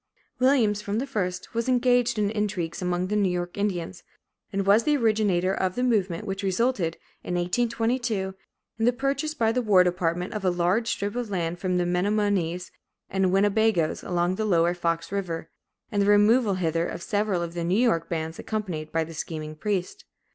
Williams, from the first, became engaged in intrigues among the New York Indians, and was the originator of the movement which resulted, in 1822, in the purchase by the war department of a large strip of land from the Menomonees and Winnebagoes, along the Lower Fox River, and the removal hither of several of the New York bands, accompanied by the scheming priest.